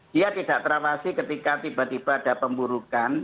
dia tidak terawasi ketika tiba tiba ada pemburukan